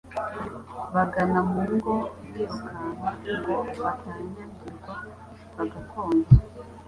Bagana mu ngo birukanka Ngo batanyagirwa bagakonja